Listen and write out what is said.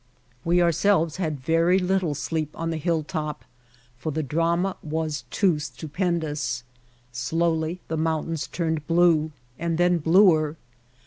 We ourselves had very little sleep on the hill top for the drama was too stupendous. Slowly the mountains turned blue, and then bluer.